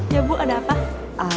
ya bu ada apa